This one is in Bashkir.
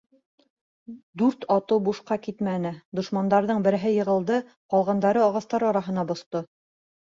Дүрт атыу бушҡа китмәне: дошмандарҙың береһе йығылды, ҡалғандары ағастар араһына боҫто.